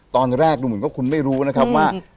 ตอนแรกดูเหมือนว่าคุณไม่รู้นะครับว่า